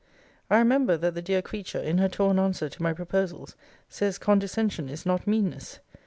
I remember, that the dear creature, in her torn answer to my proposals, says, condescension is not meanness.